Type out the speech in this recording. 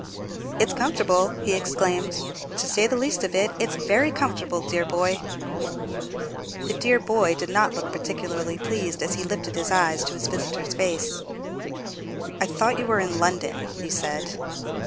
"It's comfortable!" he exclaimed; "to say the least of it, it's very comfortable, dear boy!" The dear boy did not look particularly pleased as he lifted his eyes to his visitor's face. "I thought you were in London?" he said.